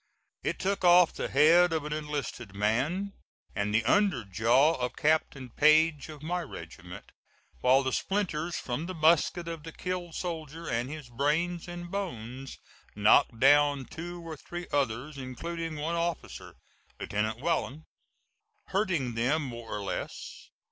It took off the head of an enlisted man, and the under jaw of Captain Page of my regiment, while the splinters from the musket of the killed soldier, and his brains and bones, knocked down two or three others, including one officer, Lieutenant Wallen, hurting them more or less.